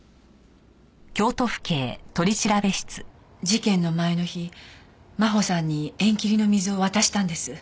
事件の前の日真帆さんに縁切りの水を渡したんです。